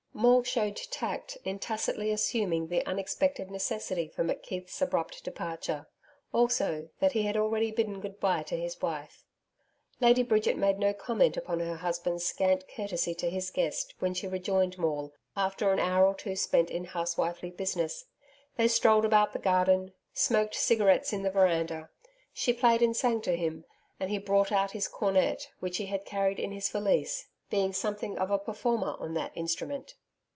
Maule showed tact in tacitly assuming the unexpected necessity for McKeith's abrupt departure also that he had already bidden good bye to his wife. Lady Bridget made no comment upon her husband's scant courtesy to his guest when she rejoined Maule after an hour or two spent in housewifely business. They strolled about the garden, smoked cigarettes in the veranda, she played and sang to him, and he brought out his cornet, which he had carried in his valise, being something of a performer on that instrument.